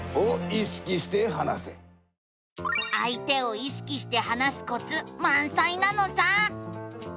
あい手を意識して話すコツまんさいなのさ。